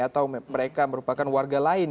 atau mereka merupakan warga lain